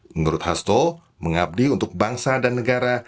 menurut hasto mengabdi untuk bangsa dan negara